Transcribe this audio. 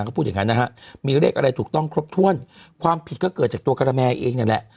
ก็พูดอย่างงั้นนะฮะมีเลขอะไรถูกต้องครบถ้วนความผิดก็เกิดจากตัวการแมเองนั่นแหละ